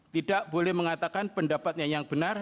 tidak boleh mengatakan pendapatnya yang benar